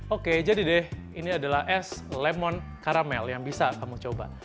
oke jadi deh ini adalah es lemon karamel yang bisa kamu coba